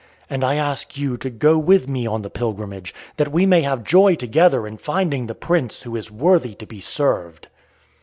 And I ask you to go with me on the pilgrimage, that we may have joy together in finding the Prince who is worthy to be served."